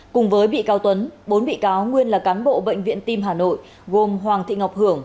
cùng với bị cáo tuấn bốn bị cáo nguyên là cán bộ bệnh viện tim hà nội gồm hoàng thị ngọc hưởng